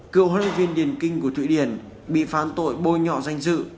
cựu huấn luyện viên điển kinh của thụy điển bị phán tội bôi nhọ danh dự